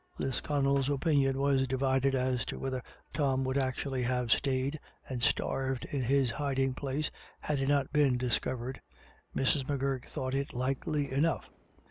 Lisconnel's opinion was divided as to whether Tom would actually have stayed and starved in his hiding place had he not been discovered. Mrs. M'Gurk thought it likely enough.